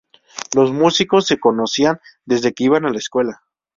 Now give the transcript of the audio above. Los músicos se conocían desde que iban a la escuela.